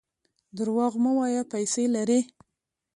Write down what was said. درواغ مه وایه ! پیسې لرې.